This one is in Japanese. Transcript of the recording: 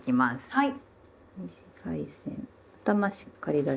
はい。